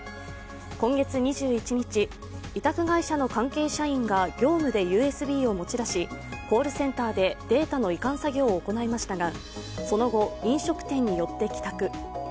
今月２１日、委託会社の関係社員が業務でＵＳＢを持ち出し、コールセンターでデータの移管作業を行いましたがその後、飲食店に寄って帰宅。